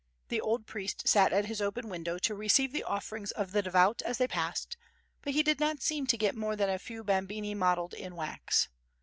The old priest sat at his open window to receive the offerings of the devout as they passed, but he did not seem to get more than a few bambini modelled in wax.